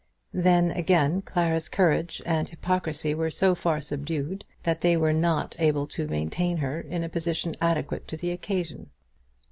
Then again Clara's courage and hypocrisy were so far subdued that they were not able to maintain her in a position adequate to the occasion.